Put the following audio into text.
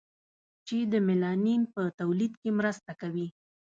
چې د میلانین په تولید کې مرسته کوي.